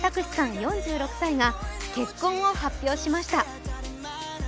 ４６歳が結婚を発表しました。